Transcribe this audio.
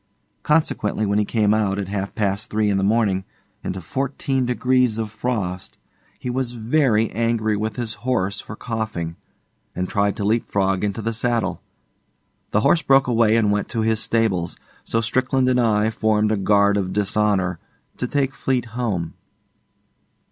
Consequently, when he came out, at half past three in the morning, into fourteen degrees of frost, he was very angry with his horse for coughing, and tried to leapfrog into the saddle. The horse broke away and went to his stables; so Strickland and I formed a Guard of Dishonour to take Fleete home.